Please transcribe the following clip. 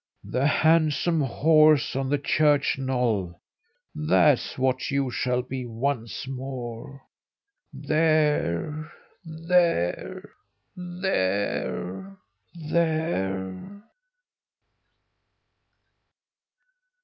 The handsomest horse on the church knoll that's what you shall be once more! There, there!